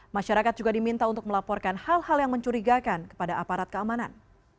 masyarakat juga diminta untuk melaporkan hal hal yang mencurigakan kepada aparat keamanan